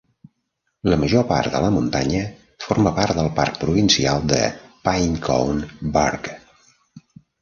La major part de la muntanya forma part del Parc Provincial de Pinecone Burke.